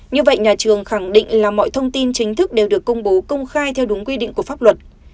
như vậy nhà trường khẳng định là mọi thông tin chính thức đều được công bố công khai theo đúng quy định của pháp luật